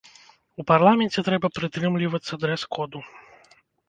У парламенце трэба прытрымлівацца дрэс-коду.